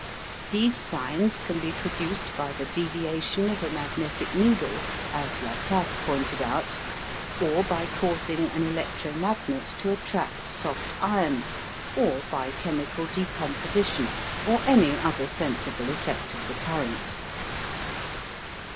These signs can be produced by the deviation of a magnetic needle, as Laplace pointed out, or by causing an electro magnet to attract soft iron, or by chemical decomposition, or any other sensible effect of the current.